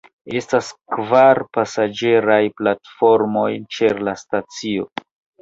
Estas kvar pasaĝeraj platformoj ĉe la stacio.